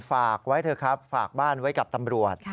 ฝากไว้เถอะครับฝากบ้านไว้กับตำรวจ